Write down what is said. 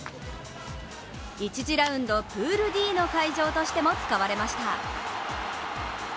１次ラウンドプールＤの会場としても使われました。